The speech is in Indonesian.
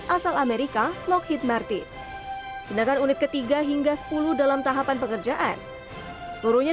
asal amerika lockheed martin sedangkan unit ketiga hingga sepuluh dalam tahapan pekerjaan seluruhnya